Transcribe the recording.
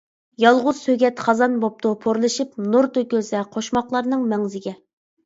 يالغۇز سۆگەت خازان بوپتۇ پورلىشىپ، نۇر تۆكۈلسە قوشماقلارنىڭ مەڭزىگە.